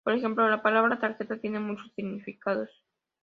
Por ejemplo, la palabra "tarjeta" tiene muchos significados.